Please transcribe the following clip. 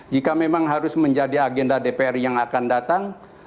jika memang harus menjadi agenda dpr yang akan datang